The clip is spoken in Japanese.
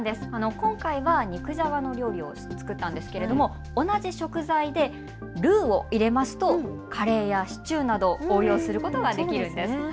今回は肉じゃがを作ったんですが同じ食材でルーを入れますとカレーやシチューなど応用することができるんです。